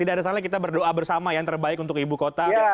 tidak ada salahnya kita berdoa bersama yang terbaik untuk ibu kota